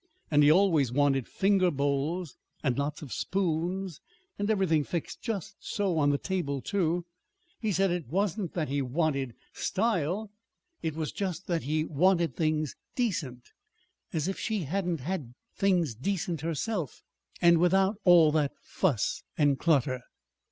And he always wanted finger bowls and lots of spoons, and everything fixed just so on the table, too. He said it wasn't that he wanted "style." It was just that he wanted things decent. As if she hadn't had things decent herself and without all that fuss and clutter!